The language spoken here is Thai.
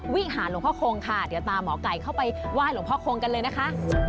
วิหารหลวงพ่อคงค่ะเดี๋ยวตามหมอไก่เข้าไปไหว้หลวงพ่อคงกันเลยนะคะ